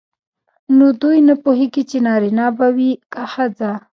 نو دوی نه پوهیږي چې نارینه به وي که ښځه.